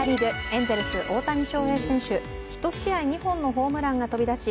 エンゼルス・大谷翔平選手１試合２本のホームランが飛び出し